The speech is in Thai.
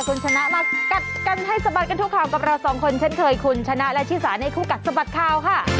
คุณชนะมากัดกันให้สะบัดกันทุกข่าวกับเราสองคนเช่นเคยคุณชนะและชิสาในคู่กัดสะบัดข่าวค่ะ